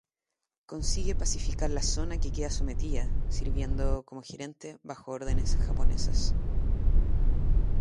Consigue pacificar la zona que queda sometida, sirviendo como gerente bajo órdenes japonesas.